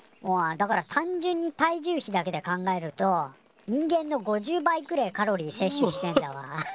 だから単純に体重比だけで考えると人間の５０倍くれえカロリーせっ取してんだわ。